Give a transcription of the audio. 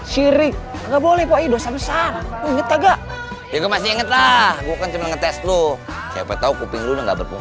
sirik enggak boleh dosa besar enggak enggak enggak enggak enggak enggak enggak enggak